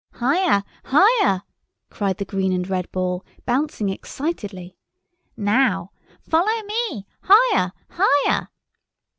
"Higher, higher," cried the green and red ball, bouncing excitedly. "Now, follow me, higher, higher."